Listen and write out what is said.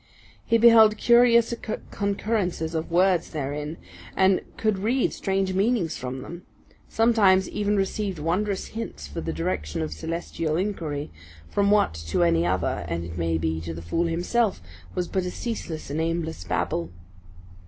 He beheld curious concurrences of words therein; and could read strange meanings from them sometimes even received wondrous hints for the direction of celestial inquiry, from what, to any other, and it may be to the fool himself, was but a ceaseless and aimless babble.